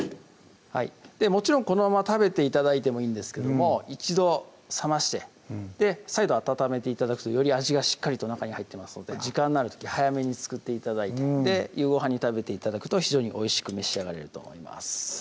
もちろんこのまま食べて頂いてもいいんですけども一度冷まして再度温めて頂くとより味がしっかりと中に入ってますので時間のある時早めに作って頂いて夕ごはんに食べて頂くと非常においしく召し上がれると思います